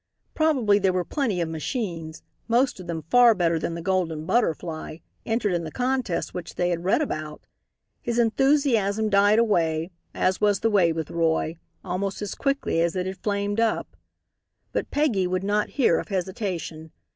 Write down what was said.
Probably there were plenty of machines, most of them far better than the Golden Butterfly, entered in the contest which they had read about. His enthusiasm died away as was the way with Roy almost as quickly as it had flamed up. But Peggy would not hear of hesitation.